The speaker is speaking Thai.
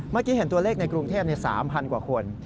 เมื่อกี้เห็นตัวเลขในกรุงเทพ๓๐๐กว่าคน